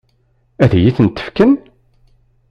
Ad iyi-ten-fken?